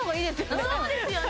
そうですよね